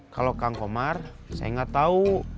kalau kang komar saya nggak tahu